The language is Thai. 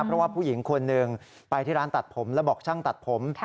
เพราะว่าผู้หญิงคนหนึ่งไปที่ร้านตัดผมแล้วบอกช่างตัดผม